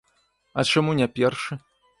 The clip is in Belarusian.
А чаму не першы?